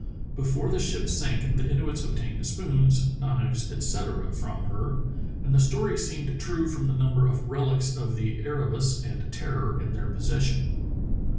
Before the ship sank the Inuits obtained spoons, knives, etc., from her, and the story seemed true from the number of relics of the Ere bus and Terror in their possession.